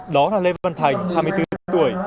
đó là lê văn thành hai mươi bốn tuổi